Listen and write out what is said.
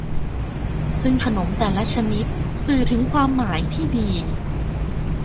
ซึ่งขนมแต่ละชนิดสื่อถึงความหมายที่ดี